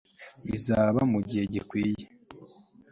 bizaba mu gihe gikwiye